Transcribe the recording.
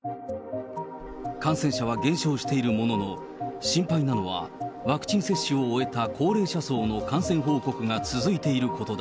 感染者は減少しているものの、心配なのは、ワクチン接種を終えた高齢者層の感染報告が続いていることだ。